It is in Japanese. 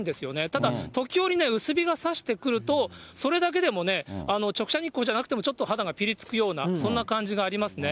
ただ、時折、薄日がさしてくると、それだけでもね、直射日光じゃなくても、ちょっと肌がぴりつくような、そんな感じがありますね。